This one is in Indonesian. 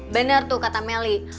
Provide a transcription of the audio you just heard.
bener tuh kata meli